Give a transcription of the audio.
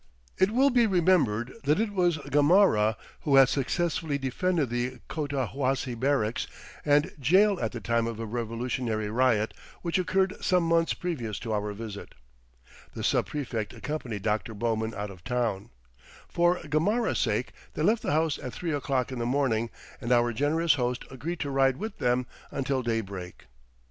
It will be remembered that it was Gamarra who had successfully defended the Cotahuasi barracks and jail at the time of a revolutionary riot which occurred some months previous to our visit. The sub prefect accompanied Dr. Bowman out of town. For Gamarra's sake they left the house at three o'clock in the morning and our generous host agreed to ride with them until daybreak.